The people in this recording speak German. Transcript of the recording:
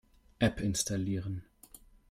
App installieren.